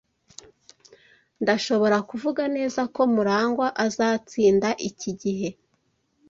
Ndashobora kuvuga neza ko Murangwa azatsinda iki gihe.